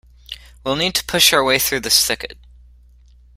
We'll need to push our way through this thicket.